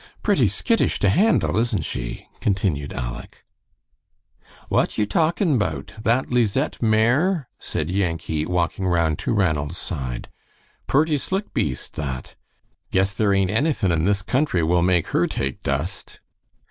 "Pretty skittish to handle, isn't she?" continued Aleck. "What y're talkin' 'bout? That Lisette mare?" said Yankee, walking round to Ranald's side. "Purty slick beast, that. Guess there ain't anythin' in this country will make her take dust."